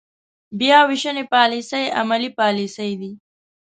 بیا وېشنې پاليسۍ عملي پاليسۍ دي.